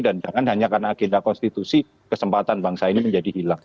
dan jangan hanya karena agenda konstitusi kesempatan bangsa ini menjadi hilang